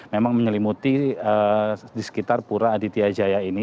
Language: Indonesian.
memang menyelimuti di sekitar pura aditya jaya ini